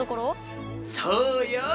そうよ。